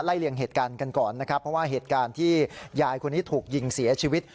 เลี่ยงเหตุการณ์กันก่อนนะครับเพราะว่าเหตุการณ์ที่ยายคนนี้ถูกยิงเสียชีวิต